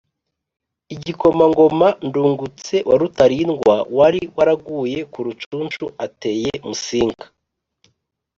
igikomangoma ndungutse wa rutalindwa (wari waraguye ku rucunshu) ateye musinga